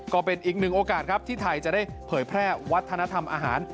ก็เป็นอีกหนึ่งโอกาสครับที่ไทยจะได้เผยแพร่วัฒนธรรมอาหาร